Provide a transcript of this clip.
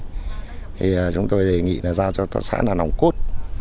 thì chúng tôi đề nghị là giao cho tác xã là nòng cốt